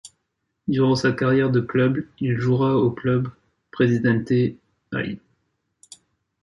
Durant sa carrière de club, il jouera au Club Presidente Hayes.